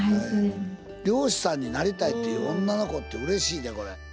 漁師さんになりたいっていう女の子ってうれしいでこれ。